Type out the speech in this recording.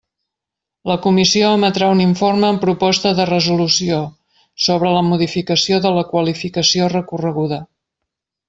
La comissió emetrà un informe, amb proposta de resolució, sobre la modificació de la qualificació recorreguda.